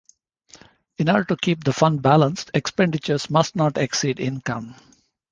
In order to keep the fund balanced, expenditures must not exceed income.